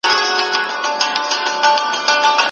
آیا دغه ناروغي د ماشومانو لپاره خطرناکه ده؟